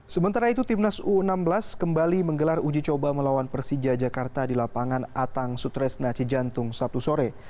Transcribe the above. sementara itu timnas u enam belas kembali menggelar uji coba melawan persija jakarta di lapangan atang sutresna cijantung sabtu sore